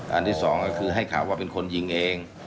อันที่สองก็คือให้ข่าวว่าเป็นคนยิงเอง